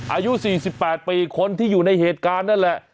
อายุ๔๘ปีคนที่อยู่ในเหตุการณ์นั่นแหละ